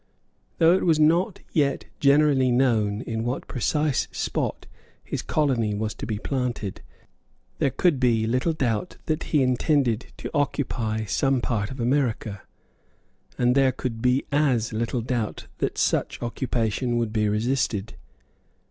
Though it was not yet generally known in what precise spot his colony was to be planted, there could be little doubt that he intended to occupy some part of America; and there could be as little doubt that such occupation would be resisted.